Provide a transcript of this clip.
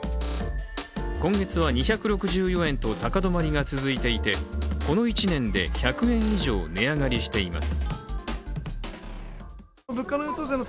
今月は２６４円と高止まりが続いていてこの１年で１００円以上値上がりしています。